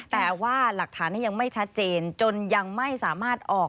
แต่ว่าหลักฐานนี้ยังไม่ชัดเจนจนยังไม่สามารถออก